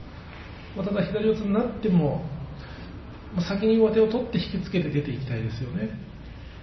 左四つになっても先に上手を取って引き付けて出ていきたいですよね。